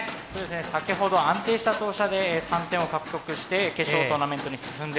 先ほど安定した投射で３点を獲得して決勝トーナメントに進んでおります。